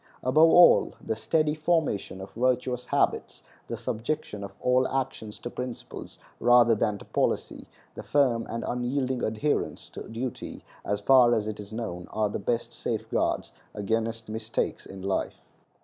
Above all, the steady formation of virtuous habits, the subjection of all actions to principles rather than to policy, the firm and unyielding adherence to duty, as far as it is known, are the best safeguards against mistakes in life.